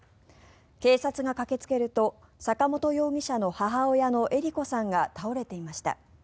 警察が駆けつけると坂本容疑者の母親のえり子さんが倒れていました。